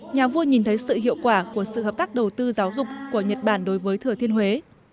nhà vua nhìn thấy sự hiệu quả của sự hợp tác đầu tư giáo dục của nhật bản đối với thừa thiên huế